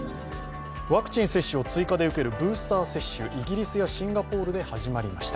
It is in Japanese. ワクチン接種を追加で受けるブースター接種、イギリスやシンガポールで始まりました。